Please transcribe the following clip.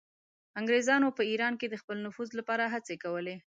انګریزانو په ایران کې د خپل نفوذ لپاره هڅې کولې.